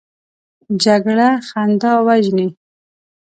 جګړه خندا وژني